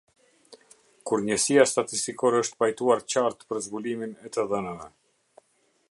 Kur njësia statistikore është pajtuar qartë për zbulimin e të dhënave.